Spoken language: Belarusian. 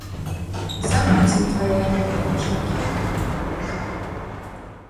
Забудзем твае ганебныя ўчынкі!